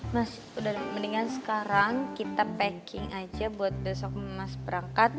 mas mendingan sekarang kita packing aja buat besok mas berangkat